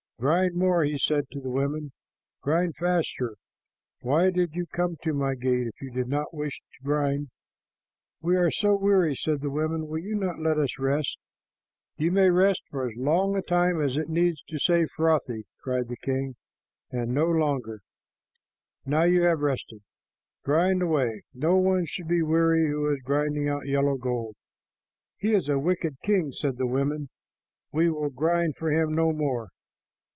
"Grind more," he said to the women. "Grind faster. Why did you come to my gate if you did not wish to grind?" "We are so weary," said the women. "Will you not let us rest?" "You may rest for as long a time as it needs to say 'Frothi,'" cried the king, "and no longer. Now you have rested. Grind away. No one should be weary who is grinding out yellow gold." "He is a wicked king," said the women. "We will grind for him no more.